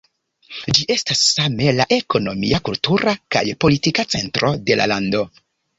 Ĝi estas same la ekonomia, kultura kaj politika centro de la lando.